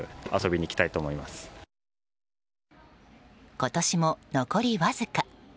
今年も残りわずか。